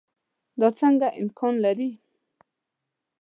دا څنګه امکان لري.